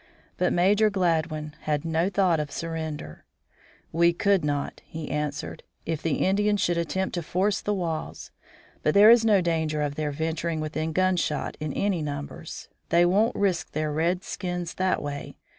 But Major Gladwin had no thought of surrender. "We could not," he answered, "if the Indians should attempt to force the walls. But there is no danger of their venturing within gunshot in any numbers. They won't risk their red skins that way.